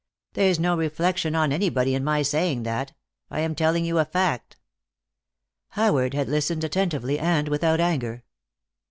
There's no reflection on anybody in my saying that. I am telling you a fact." Howard had listened attentively and without anger.